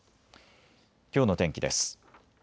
きょうの天気です。